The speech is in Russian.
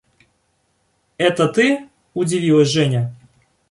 – Это ты? – удивилась Женя.